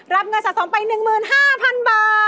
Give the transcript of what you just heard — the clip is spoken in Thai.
รับเงินสะสมไป๑๕๐๐๐บาท